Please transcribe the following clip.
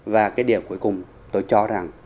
và cái điểm cuối cùng tôi cho rằng